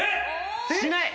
しない！